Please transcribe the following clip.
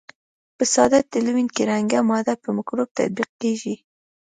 په ساده تلوین کې رنګه ماده په مکروب تطبیق کیږي.